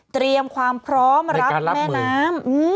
เตรียมความพร้อมรับแม่น้ำ